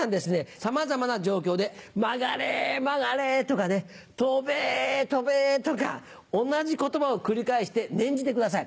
さまざまな状況で「曲がれ曲がれ」とかね「飛べ飛べ」とか同じ言葉を繰り返して念じてください。